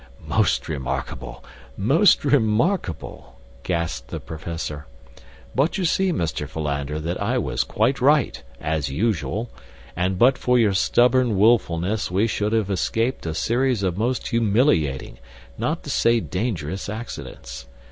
"Most remarkable, most remarkable!" gasped the professor. "But you see, Mr. Philander, that I was quite right, as usual; and but for your stubborn willfulness we should have escaped a series of most humiliating, not to say dangerous accidents.